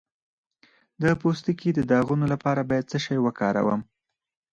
د پوستکي د داغونو لپاره باید څه شی وکاروم؟